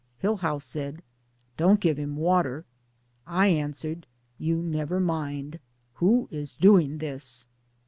Hillhouse said : "Don't give him water." I answered, "You never mind, who is doing this?"